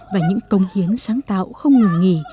và những công hiến sáng tạo không ngừng nghỉ